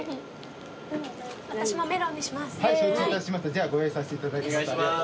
じゃあご用意させていただきます。